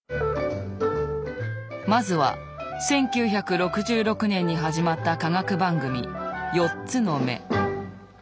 まずは１９６６年に始まった科学番組「四つの目」。